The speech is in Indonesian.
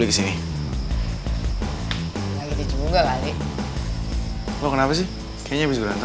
terus ini ada masalah apa sih sama mereka